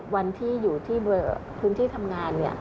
วันที่อยู่ที่พื้นที่ทำงาน